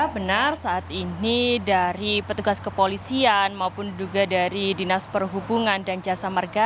benar saat ini dari petugas kepolisian maupun juga dari dinas perhubungan dan jasa marga